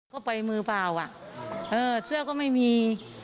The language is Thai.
ก็ไปมือเปล่าอ่ะเออเสื้อก็ไม่มี